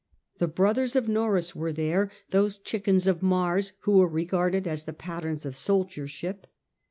The brothers of Norreys were there, those Chickens of Mars who were regarded as the patterns of soldiership.